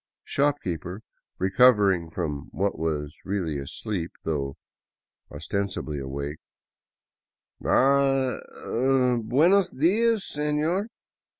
" Shopkeeper, recovering from what was really a sleep, though osten sibly awake : "Ah — er — buenos dias, sefior.